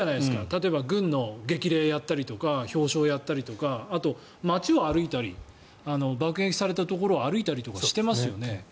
例えば、軍の激励をやったりとか表彰をやったりとかあと、街を歩いたり爆撃されたところを歩いたりしてますよね。